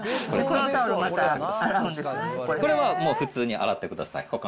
このタオルまた、これはもう、普通に洗ってください。